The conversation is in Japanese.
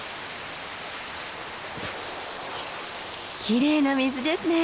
きれいな水ですね。